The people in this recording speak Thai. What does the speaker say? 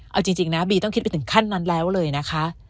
เอาจริงนะบีต้องคิดไปถึงขั้นนั้นแล้วเลยนะคะ